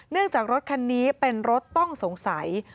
จากรถคันนี้เป็นรถต้องสงสัย